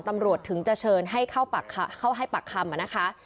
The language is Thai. ถึงจะเชิญให้เข้าให้ปากคำนะคะ